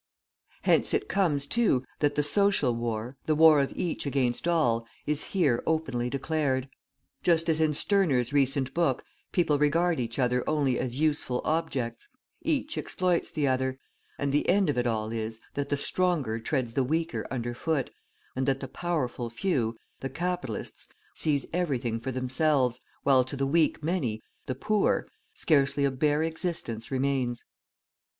Hence it comes, too, that the social war, the war of each against all, is here openly declared. Just as in Stirner's recent book, people regard each other only as useful objects; each exploits the other, and the end of it all is, that the stronger treads the weaker under foot, and that the powerful few, the capitalists, seize everything for themselves, while to the weak many, the poor, scarcely a bare existence remains.